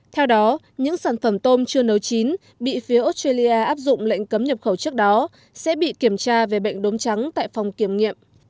theo đó những sản phẩm tôm chưa nấu chín bị phía australia áp dụng lệnh cấm nhập khẩu trước đó sẽ bị kiểm tra về bệnh đốm trắng tại phòng kiểm nghiệm